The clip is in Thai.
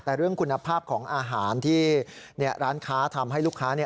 แต่เรื่องคุณภาพของอาหารที่ร้านค้าทำให้ลูกค้าเนี่ย